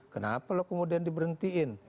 kenapa lo kemudian di berhentiin